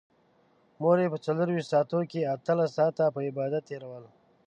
مور يې په څلرويشت ساعتونو کې اتلس ساعته په عبادت تېرول.